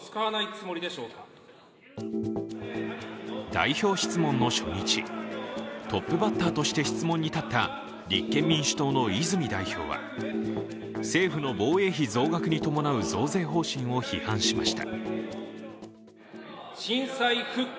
代表質問の初日、トップバッターとして質問に立った立憲民主党の泉代表は政府の防衛費増額に伴う増税方針を批判しました。